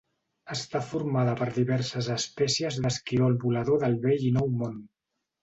Està formada per diverses espècies d'esquirol volador del Vell i Nou Món.